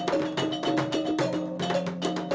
kamar di ruangan ini